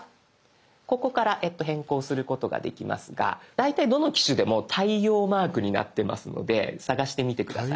ここから変更することができますが大体どの機種でも太陽マークになってますので探してみて下さい。